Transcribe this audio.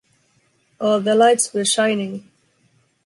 All the lights were shining.